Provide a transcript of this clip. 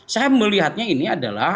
saya melihatnya ini adalah